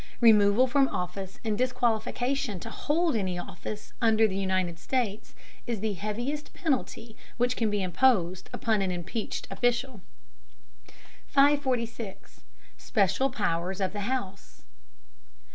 Removal from office and disqualification to hold any office under the United States is the heaviest penalty which can be imposed upon an impeached official. 546. SPECIAL POWERS OF THE HOUSE.